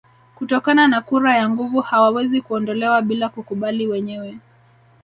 Kutokana na kura ya nguvu hawawezi kuondolewa bila kukubali wenyewe